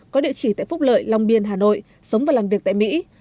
có địa chỉ tại phúc lợi long biên hà nội sống và làm việc tại mỹ